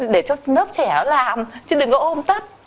để cho lớp trẻ nó làm chứ đừng có ôm tắt